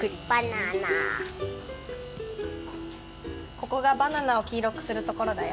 ここがバナナを黄色くするところだよ。